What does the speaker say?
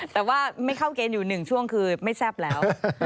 แต่ว่าไม่เข้าเกณฑ์อยู่๑ช่วงคือไม่แซ่บแล้ว